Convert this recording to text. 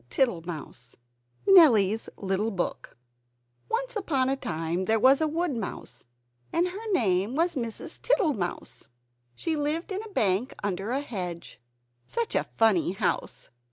TITTLEMOUSE [Nellie's Little Book] Once upon a time there was a woodmouse, and her name was Mrs. Tittlemouse. She lived in a bank under a hedge. Such a funny house!